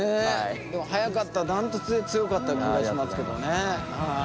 でも早かった断トツで強かった気がしますけどね。